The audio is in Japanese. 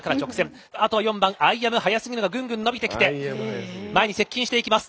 あとは４番アイアムハヤスギルがぐんぐん伸びてきて前に接近していきます。